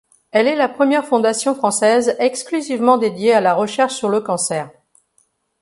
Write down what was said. Elle est la première fondation française exclusivement dédiée à la recherche sur le cancer.